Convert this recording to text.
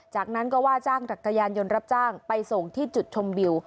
จากนั้นก็ว่าจ้างจักรยานยนต์รับจ้างไปส่งที่จุดชมวิว